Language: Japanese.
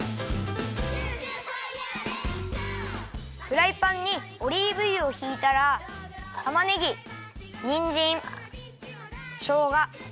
フライパンにオリーブ油をひいたらたまねぎにんじんしょうが。